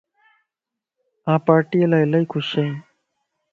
آن پار ٽيءَ لا الائي خوشي ائين